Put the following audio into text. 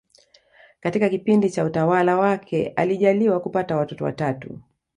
Katika kipindi cha utawala wake alijaliwa kupata watoto watatu